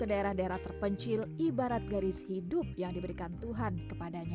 ke daerah daerah terpencil ibarat garis hidup yang diberikan tuhan kepadanya